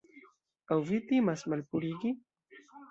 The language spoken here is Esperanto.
Aŭ vi timas malpurigi?